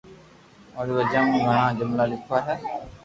اوري وجہ مون گھڻا جملا ليکيا ھي